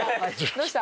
どうした？